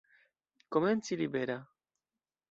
Komenci libera.